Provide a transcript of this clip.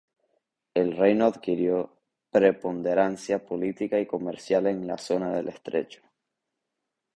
El reino adquirió preponderancia política y comercial en la zona del Estrecho.